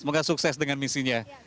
semoga sukses dengan misinya